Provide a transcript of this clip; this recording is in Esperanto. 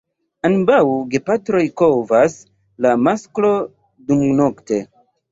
Ambaŭ gepatroj kovas, la masklo dumnokte.